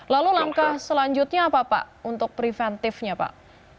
lalu langkah selanjutnya apa pak untuk preventifnya pak